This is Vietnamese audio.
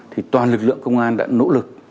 thì toàn lực lượng công an đã nỗ lực